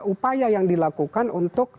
upaya yang dilakukan untuk